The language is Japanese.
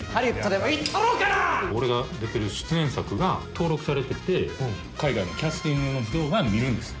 俺が出てる出演作が登録されてて海外のキャスティングの人が見るんです。